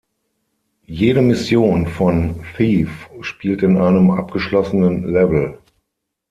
Jede Mission von "Thief" spielt in einem abgeschlossenen Level.